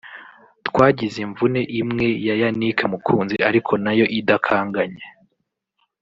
twagize imvune imwe ya Yannick Mukunzi ariko nayo idakanganye